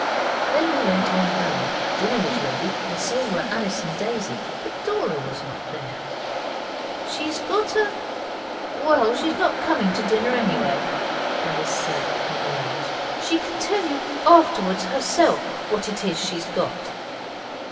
Then we went on home. Dinner was ready and so were Alice and Daisy, but Dora was not there. 'She's got a well, she's not coming to dinner anyway,' Alice said when we asked. 'She can tell you herself afterwards what it is she's got.